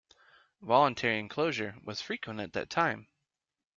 Voluntary enclosure was frequent at that time.